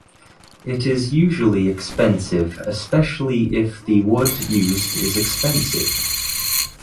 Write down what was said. It is usually expensive especially if the wood used is expensive.